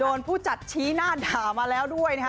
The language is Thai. ผู้จัดชี้หน้าด่ามาแล้วด้วยนะฮะ